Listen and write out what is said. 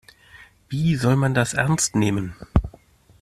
Wie soll man das ernst nehmen?